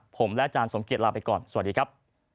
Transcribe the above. ผมและอาจารย์สมเกียจลาไปก่อนสวัสดีครับ